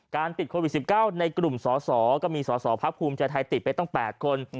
การติดโควิดสิบเก้าในกลุ่มสอสอก็มีสอสอภักดิ์ภูมิใจไทยติดไปตั้งแปดคน